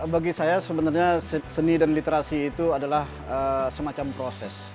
bagi saya sebenarnya seni dan literasi itu adalah semacam proses